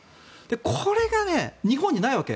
これが日本にないわけ。